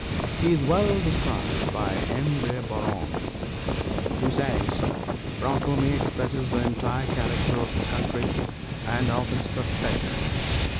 He is well described by M. de Barante, who says: "Brantôme expresses the entire character of his country and of his profession.